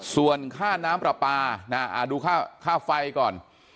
ส่วนค่าน้ำปลาปลาดูค่าไฟก่อน